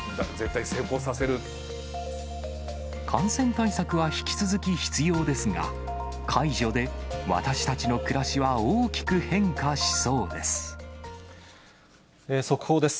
感染対策は引き続き必要ですが、解除で私たちの暮らしは大きく変化しそうです。